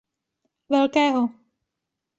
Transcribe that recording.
Velkého.